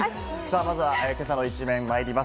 まずは今朝の一面にまいります。